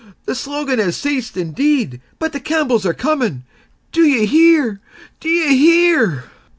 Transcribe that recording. The slogan has ceased, indeed, but the Campbells are comin'! D'ye hear? d'ye hear?"